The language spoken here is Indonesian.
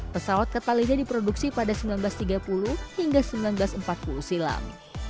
pesawat kapalinya diproduksi pada seribu sembilan ratus tiga puluh hingga seribu sembilan ratus empat puluh silam